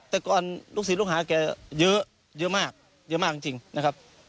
แต่ก่อนลูกศรีลูกหาเขาเยอะมากจริงนะครับ